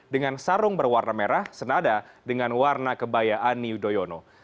dengan sarung berwarna merah senada dengan warna kebaya ani yudhoyono